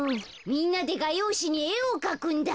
みんなでがようしにえをかくんだ。